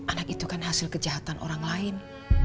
anak itu kan hasil kejahatan orang lain